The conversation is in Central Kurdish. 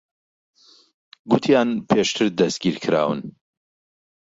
گوتیان پێشتر دەستگیر کراون.